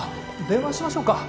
電話しましょうか？